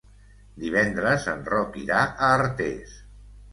Divendres en Roc irà a Artés.